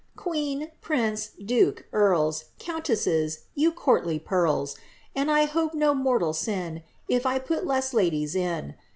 Queen, prinoe, duke« earls, Countesses, you courtly pearls! And I hope no mortal sin If I put less ladies in.